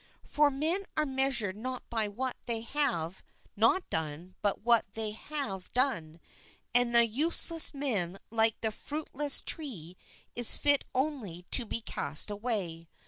i ^M ':.'..''. H INTRODUCTION _ For men are measured not by what they have is not done but by what they have done, and the useless man like the fruitless tree is fit only to be * cast away.